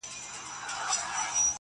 ګرم خو به نه یم چي تیاره ستایمه,